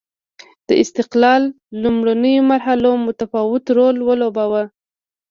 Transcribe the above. د استقلال لومړنیو مرحلو متفاوت رول ولوباوه.